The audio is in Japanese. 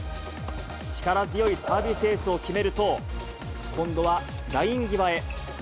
力強いサービスエースを決めると、今度はライン際へ。